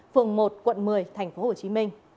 phường một quận một mươi tp hcm